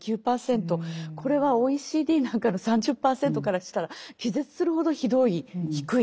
これはＯＥＣＤなんかの３０％からしたら気絶するほどひどい低い。